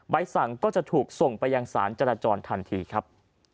สั่งก็จะถูกส่งไปยังสารจราจรทันทีครับ